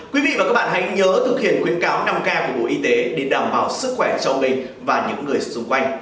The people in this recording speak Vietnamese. quý vị và các bạn hãy nhớ thực hiện khuyến cáo năm k của bộ y tế để đảm bảo sức khỏe cho mình và những người xung quanh